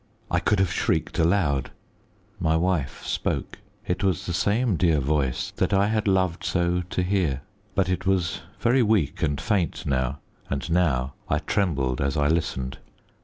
I could have shrieked aloud. My wife spoke. It was the same dear voice that I had loved so to hear, but it was very weak and faint now; and now I trembled as I listened.